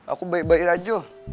aku baik baik aja